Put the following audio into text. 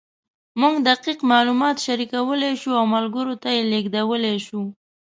موږ دقیق معلومات شریکولی شو او ملګرو ته یې لېږدولی شو.